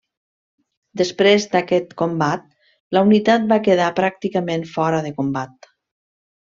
Després d'aquest combat, la unitat va quedar pràcticament fora de combat.